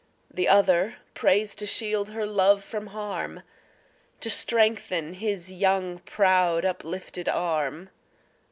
The other prays to shield her love from harm, To strengthen his young, proud uplifted arm.